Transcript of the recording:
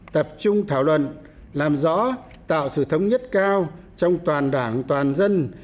tập trung thảo luận làm rõ tạo sự thống nhất cao trong toàn đảng toàn dân